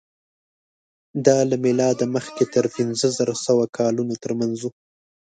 دا له مېلاده مخکې زر تر پینځهسوه کلونو تر منځ وو.